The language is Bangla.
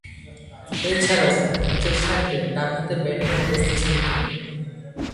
এছাড়াও, নিচেরসারিতে ডানহাতে ব্যাটিংয়ে অভ্যস্ত ছিলেন তিনি।